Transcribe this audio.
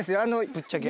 ぶっちゃけ。